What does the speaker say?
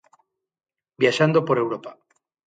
Viaxando por Europa.